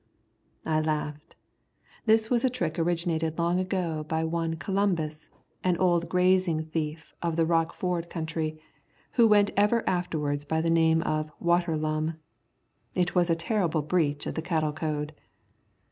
I laughed. This was a trick originated long ago by one Columbus, an old grazing thief of the Rock Ford country, who went ever afterward by the name of "Water Lum." It was a terrible breach of the cattle code.